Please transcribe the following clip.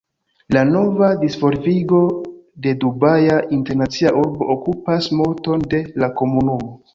La nova disvolvigo de Dubaja Internacia Urbo okupas multon de la komunumo.